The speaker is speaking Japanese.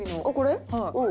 あっこれ？